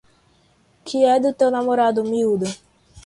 Que é do teu namorado, miúda?